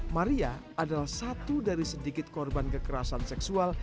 maria adalah satu dari sedikit korban kekerasan seksual